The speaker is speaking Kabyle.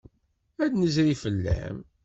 Ad d-nezri fell-am.